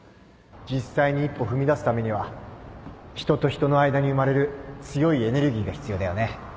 実際に一歩踏み出すためには人と人の間に生まれる強いエネルギーが必要だよね